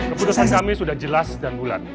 keputusan kami sudah jelas dan bulat